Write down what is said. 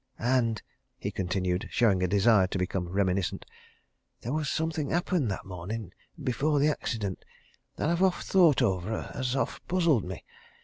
And," he continued, showing a desire to become reminiscent, "there was something happened that morning, before the accident, that I've oft thought over and has oft puzzled me.